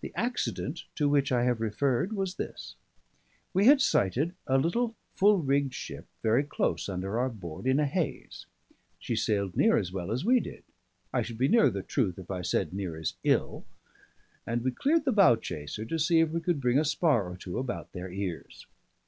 The accident to which I have referred was this: We had sighted a little full rigged ship very close under our board in a haze; she sailed near as well as we did I should be nearer truth if I said, near as ill; and we cleared the bow chaser to see if we could bring a spar or two about their ears.